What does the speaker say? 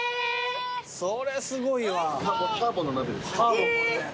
それすごいわ。